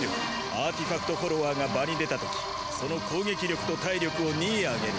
アーティファクト・フォロワーが場に出たときその攻撃力と体力を２上げる。